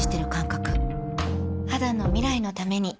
肌の未来のために